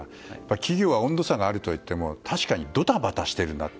企業は温度差があるといっても確かに、ドタバタしているなと。